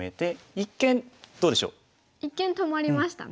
一見止まりましたね。